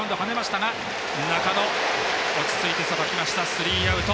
スリーアウト。